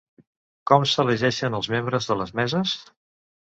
Com s’elegeixen els membres de les meses?